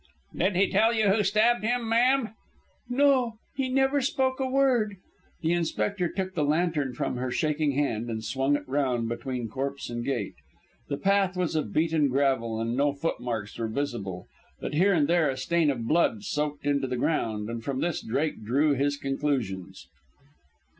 "Did he tell you who stabbed him, ma'am?" "No; he never spoke a word." The inspector took the lantern from her shaking hand, and swung it round between corpse and gate. The path was of beaten gravel, and no footmarks were visible; but here and there a stain of blood soaked into the ground, and from this Drake drew his conclusions.